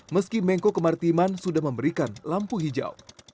meski menko kemaritiman sudah memberikan lampu hijau